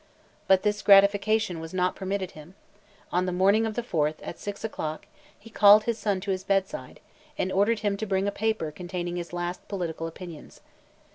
But this gratification was not permitted him: on the morning of the 4th, at six o'clock, he called his son to his bed side, and ordered him to bring him a paper containing his last political opinions.